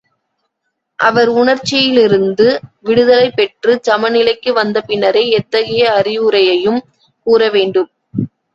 அவர் உணர்ச்சியிலிருந்து விடுதலை பெற்றுச் சமநிலைக்கு வந்த பின்னரே எத்தகைய அறிவுரையையும் கூறவேண்டும்.